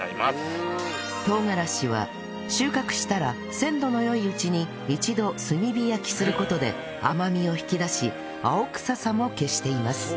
唐辛子は収穫したら鮮度の良いうちに一度炭火焼きする事で甘みを引き出し青臭さも消しています